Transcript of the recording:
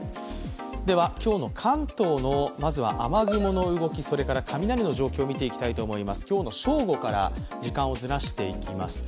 今日の関東のまずは雨雲の動き、それから雷の状況を見ていきたいと思います、今日の正午から時間をずらしていきます。